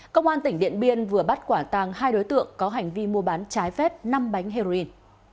công an tỉnh điện biên vừa bắt quả tàng hai đối tượng có hành vi mua bán trái phép năm bánh heroin